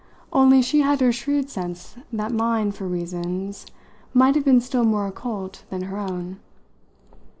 Only she had her shrewd sense that mine, for reasons, might have been still more occult than her own.